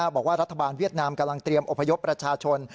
บอกว่ารัฐบาลเวียดนามกำลังเตรียมอพยพประชาชน